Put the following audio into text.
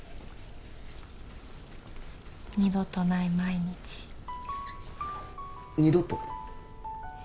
二度とない毎日二度と？